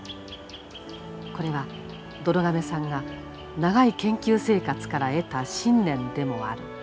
これはどろ亀さんが長い研究生活から得た信念でもある。